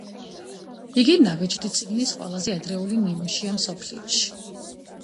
იგი ნაბეჭდი წიგნის ყველაზე ადრეული ნიმუშია მსოფლიოში.